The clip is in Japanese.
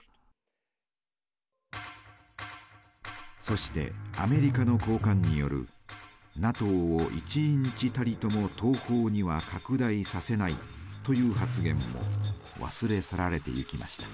そしてアメリカの高官による「ＮＡＴＯを１インチたりとも東方には拡大させない」という発言も忘れ去られていきました。